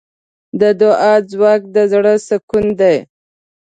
د دعا ځواک د زړۀ سکون دی.